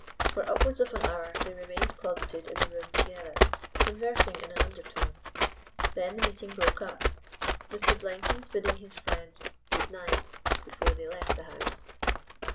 For upwards of an hour they remained closeted in the room together, conversing in an undertone. Then the meeting broke up, Mr. Blenkins bidding his friends "good night" before they left the house.